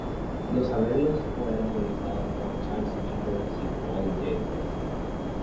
Los arreglos fueron realizados por Charles Mingus y Paul Jeffrey.